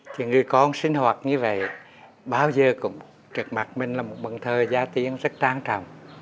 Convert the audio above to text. thì người con sinh hoạt như vậy bao giờ cũng trật mặt mình là một bần thơ giá tiết rất trang trọng